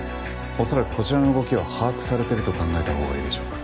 恐らくこちらの動きは把握されてると考えたほうがいいでしょう。